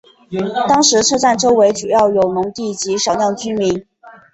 当时车站周围主要有农地及少量民居。